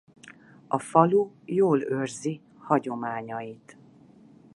A falu jól őrzi hagyományait.